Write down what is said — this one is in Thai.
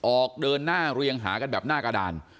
ออกเดินหน้าเรียงหากันแบบหน้ากระดาน